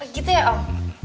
gitu ya om